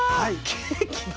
ケーキだ。